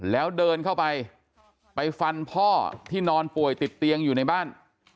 แล้วเดินเข้าไปไปฟันพ่อที่นอนป่วยติดเตียงอยู่ในบ้าน